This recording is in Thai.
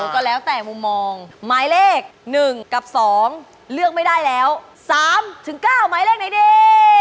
ก็แล้วแต่มุมมองหมายเลข๑กับ๒เลือกไม่ได้แล้ว๓๙หมายเลขไหนดี